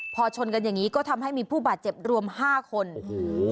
พอชนกันอย่างงี้ก็ทำให้มีผู้บาดเจ็บรวมห้าคนโอ้โห